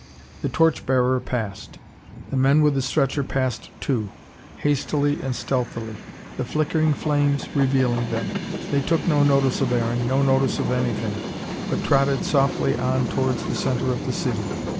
The torch bearer passed, the men with the stretcher passed too, hastily and stealthily, the flickering flames revealing them. They took no notice of Aaron, no notice of anything, but trotted softly on towards the centre of the city.